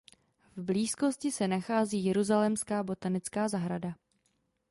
V blízkosti se nachází Jeruzalémská botanická zahrada.